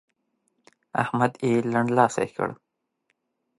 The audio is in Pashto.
احمد يې لنډلاسی کړ.